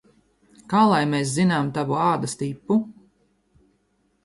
Kā lai mēs zinām tavu ādas tipu?